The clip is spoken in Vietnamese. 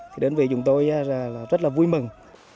thì đơn vị chúng tôi rất là vui mừng